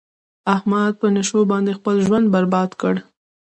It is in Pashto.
احمد په نشو باندې خپل ژوند برباد کړ.